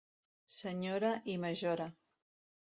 Senyora i majora.